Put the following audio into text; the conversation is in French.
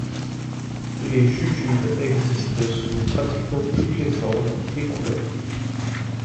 Les jujubes existent sous pratiquement toutes les formes et couleurs.